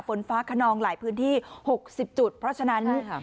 ฝนฟ้าขนองหลายพื้นที่หกสิบจุดเพราะฉะนั้น